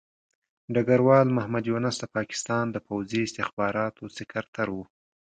ډګروال محمد یونس د پاکستان د پوځي استخباراتو سکرتر وو.